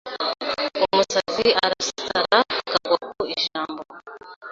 Umusazi arasara akagwa ku ijambo